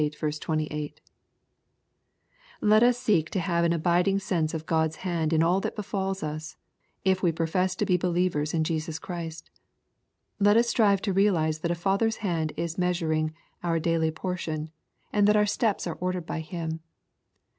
28.) Let us seek to have an abiding sense of God's hand in all that befals us, if we profess to be believers in Jesus Christ. Let us strive to realize that a Father's hand is measuring out our daily portion, and that our steps are 62 sxposrro&Y thoughtsl ordered by Him.